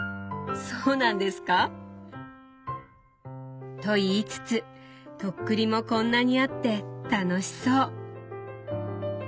そうなんですか？と言いつつ徳利もこんなにあって楽しそう。